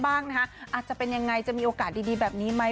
อาจจะเป็นยังไงจะมีโอกาสดีแบบนี้ไหม